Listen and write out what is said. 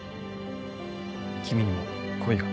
君にも恋が。